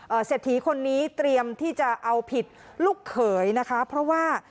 เศรษฐีคนนี้เตรียมที่จะเอาผิดลูกเขยนะคะเพราะว่า